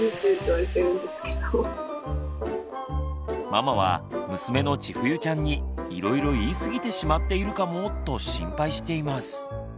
ママは娘のちふゆちゃんに「いろいろ言い過ぎてしまっているかも」と心配しています。